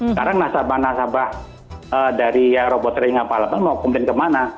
sekarang nasabah nasabah dari robot training apa apa mau komplain kemana